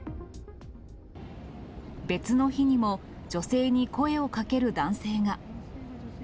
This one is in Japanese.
別の日にも、女性に声をかける男性が。